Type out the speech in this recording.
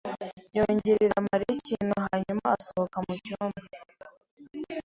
yongorera Mariya ikintu hanyuma asohoka mu cyumba.